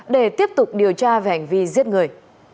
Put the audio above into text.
để tiếp tục điều tra về hành vi giết người